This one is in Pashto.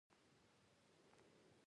یوه سندره یې د ډېرو خلکو په یاد وه.